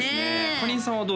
かりんさんはどうです？